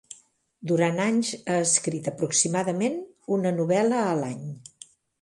Durant anys ha escrit aproximadament una novel·la a l'any.